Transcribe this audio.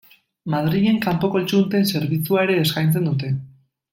Madrilen kanpo kontsulten zerbitzua ere eskaintzen dute.